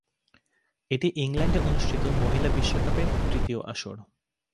এটি ইংল্যান্ডে অনুষ্ঠিত মহিলা বিশ্বকাপের তৃতীয় আসর।